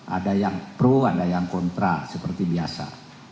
ada yang pro ada yang kontra seperti biasa